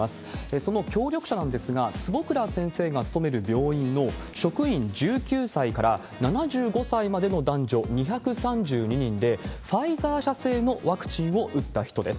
その協力者なんですが、坪倉先生が勤める病院の職員１９歳から７５歳までの男女２３２人で、ファイザー社製のワクチンを打った人です。